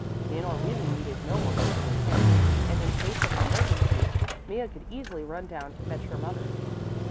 Leonore really needed no more special care, and in case of an emergency Mea could easily run down to fetch her mother.